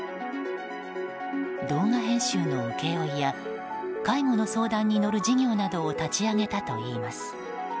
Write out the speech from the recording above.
動画編集の請け負いや介護の相談に乗る事業などを立ち上げたといいます。